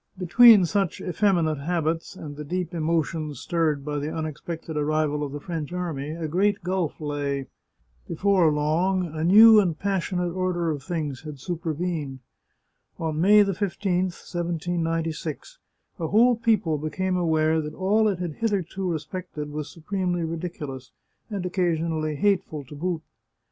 Between such effeminate habits and the deep emotions stirred by the unexpected arrival of the French army, a great gulf lay. Before long a new and t The Chartreuse of Parma passionate order of things had supervened. On May I5i 1796, a whole people became aware that all it had hitherto respected was supremely ridiculous, and occasionally hate ful, to boot.